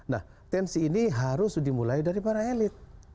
nah tensi ini harus dimulai dari para elit